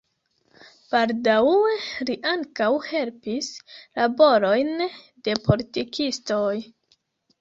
Baldaŭe li ankaŭ helpis laborojn de politikistoj.